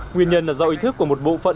nguyên nhân là do ý thức của một bộ phận